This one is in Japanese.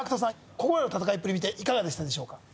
ここまでの戦いぶり見ていかがでしたでしょうか？